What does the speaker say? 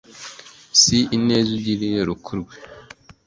Si ineza ugiriye Rukurwe